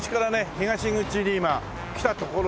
東口に来たところで。